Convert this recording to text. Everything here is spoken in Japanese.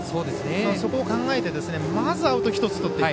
そこを考えてまずはアウト１つとっていく。